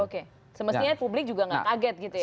oke semestinya publik juga nggak kaget gitu ya